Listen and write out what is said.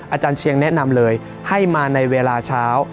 อาจารย์เชียงแนะนำเลยให้มาในเวลาเช้า